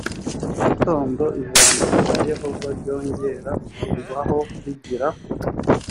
mu gitondo ijambo rya yehova ryongera kunzaho rigira